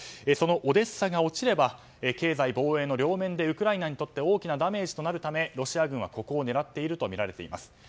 そのオデッサが落ちれば経済・貿易の両面でウクライナにとって大きなダメージとなるためロシア軍はここを狙っているとみられています。